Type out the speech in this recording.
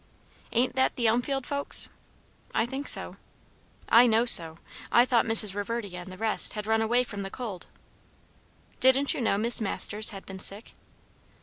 "Ain't that the Elmfield folks?" "I think so." "I know so. I thought Mrs. Reverdy and the rest had run away from the cold." "Didn't you know Miss Masters had been sick?"